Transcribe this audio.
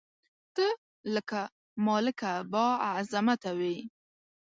ته لکه مالکه بااعظمته وې